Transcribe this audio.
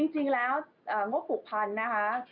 จริงแล้วงบผูกพันนะคะ